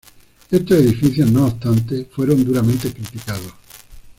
Estos edificios no obstante fueron duramente criticados.